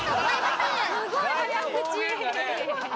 すっごい早口。